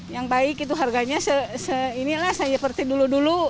yang baik itu harganya se inilah seperti dulu dulu